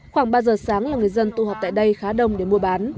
khoảng ba giờ sáng là người dân tụ họp tại đây khá đông để mua bán